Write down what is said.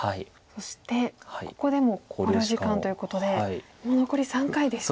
そしてここでも考慮時間ということでもう残り３回です。